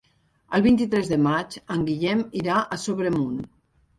El vint-i-tres de maig en Guillem irà a Sobremunt.